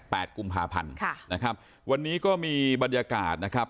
กุมภาพันธ์ค่ะนะครับวันนี้ก็มีบรรยากาศนะครับ